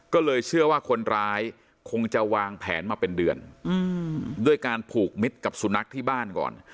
ก็เลยเชื่อว่าคนร้ายคงจะวางแผนมาเป็นเดือนด้วยการผูกมิตรกับสุนัขที่บ้านก่อน